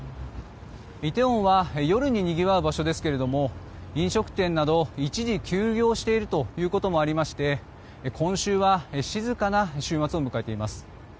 イテウォンは夜ににぎわう場所ですが飲食店など一時休業しているということもありまして今週は静かな週末を迎えています。